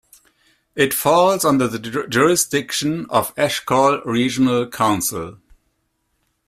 It falls under the jurisdiction of Eshkol Regional Council.